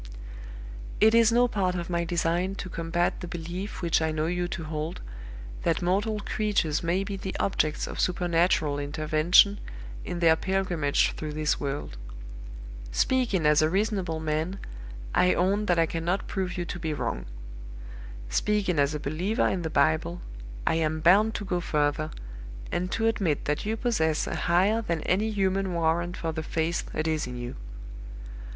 "It is no part of my design to combat the belief which I know you to hold, that mortal creatures may be the objects of supernatural intervention in their pilgrimage through this world. Speaking as a reasonable man, I own that I cannot prove you to be wrong. Speaking as a believer in the Bible, I am bound to go further, and to admit that you possess a higher than any human warrant for the faith that is in you.